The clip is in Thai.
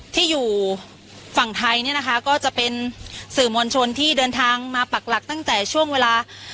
ที่อยู่ฝั่งไทยเนี่ยนะคะก็จะเป็นสื่อมวลชนที่เดินทางมาปักหลักตั้งแต่ช่วงเวลา